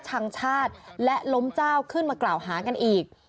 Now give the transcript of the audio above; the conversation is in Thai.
ชังชาติและล้มเจ้าขึ้นมากล่าวหากันอีก